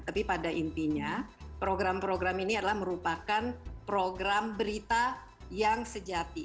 tapi pada intinya program program ini adalah merupakan program berita yang sejati